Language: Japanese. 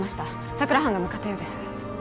佐久良班が向かったようです